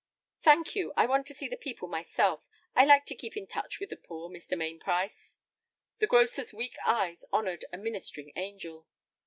"Thank you, I want to see the people myself. I like to keep in touch with the poor, Mr. Mainprice." The grocer's weak eyes honored a ministering angel.